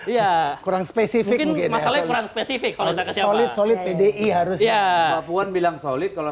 ya kurang spesifik mungkin masalah kurang spesifik solid solid pdi harus ya puan bilang solid kalau